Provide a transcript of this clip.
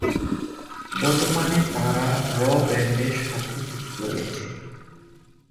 বর্তমানে তারা র ব্র্যান্ডের সাথে যুক্ত রয়েছে।